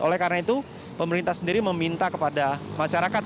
oleh karena itu pemerintah sendiri meminta kepada masyarakat